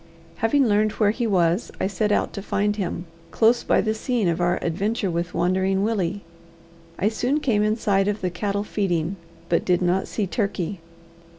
Having learned where he was, I set out to find him close by the scene of our adventure with Wandering Willie. I soon came in sight of the cattle feeding, but did not see Turkey.